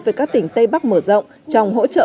với các tỉnh tây bắc mở rộng trong hỗ trợ